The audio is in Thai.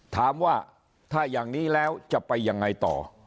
ถามว่าถ้าอย่างนี้แล้วจะไปยังไงต่อ